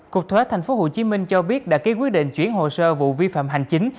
cục thuế tp hcm cho biết đã ký quyết định chuyển hồ sơ vụ vi phạm hành chính